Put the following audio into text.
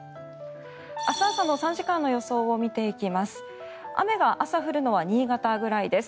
明日朝の３時間の予想を見ていきます。